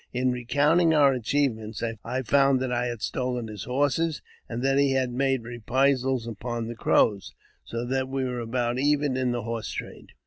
In recounting our achievements, I found that I had stolen his horses, and that he had made reprisals upon the Crows, so that we were about even in th«| horse trade.